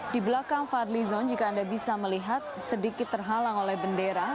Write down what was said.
di belakang fadli zon jika anda bisa melihat sedikit terhalang oleh bendera